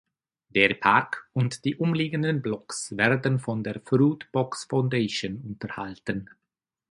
Der Park und die umliegenden Blocks werden von der Fruit Box Foundation unterhalten.